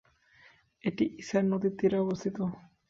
এটি ইসার নদীর তীরে অবস্থিত।